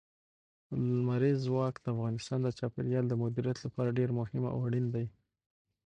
لمریز ځواک د افغانستان د چاپیریال د مدیریت لپاره ډېر مهم او اړین دي.